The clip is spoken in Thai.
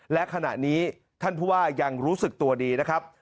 และขณะนี้ท่านผู้ว่ายังรู้สึกตัวดีนะครับ